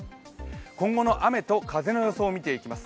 今後の雨と風の予想を見ていきます。